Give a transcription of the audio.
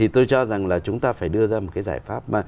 tôi cho rằng chúng ta phải đưa ra một giải pháp